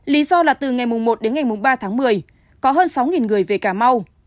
lý do là từ ngày một đến ngày ba tháng một mươi có hơn sáu người về cà mau